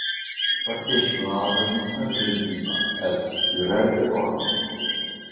Partecipano alla trasmissione televisiva "Help" di Red Ronnie.